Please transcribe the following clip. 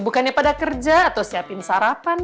bukannya pada kerja atau siapin sarapan